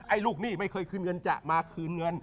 ลูกหนี้ไม่เคยคืนเงินจะมาคืนเงิน